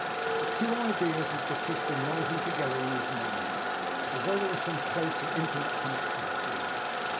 The two ideas would persist in rising together in his mind, as though there were some close and intimate connection between them.